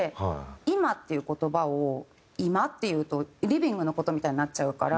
「今」っていう言葉を「居間」って言うとリビングの事みたいになっちゃうから。